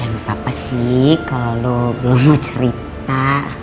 ya gak apa apa sih kalo lo belum mau cerita